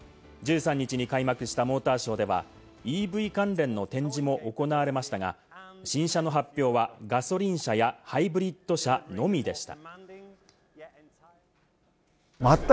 １３日に開幕したモーターショーでは、ＥＶ関連の展示も行われましたが、新車の発表はガソリン車やハイブリッド車のみでした。